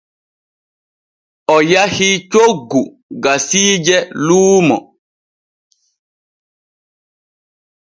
O yahi coggu gasiije luumo.